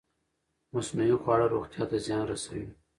مصنوعي خواړه روغتیا ته زیان رسوي.